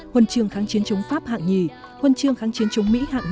huân chương kháng chiến chống pháp hạng hai huân chương kháng chiến chống mỹ hạng một